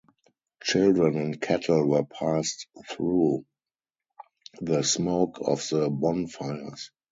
Children and cattle were passed through the smoke of the bonfires.